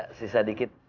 ada sisa dikit